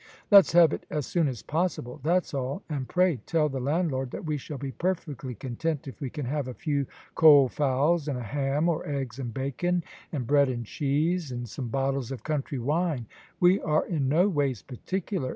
"Let's have it as soon as possible, that's all, and pray tell the landlord that we shall be perfectly content if we can have a few cold fowls and a ham, or eggs and bacon, and bread and cheese, and some bottles of country wine we are in no ways particular!"